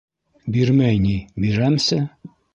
— Бирмәй ни, бирәмсе.